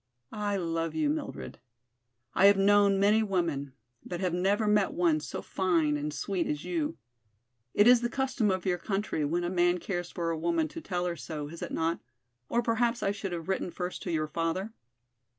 I love you, Mildred. I have known many women, but have never met one so fine and sweet as you. It is the custom of your country when a man cares for a woman to tell her so, is it not, or perhaps I should have written first to your father?"